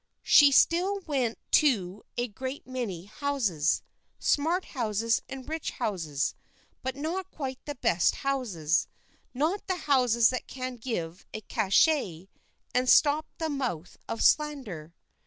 She still went to a great many houses smart houses and rich houses; but not quite the best houses, not the houses that can give a cachet, and stop the mouth of slander.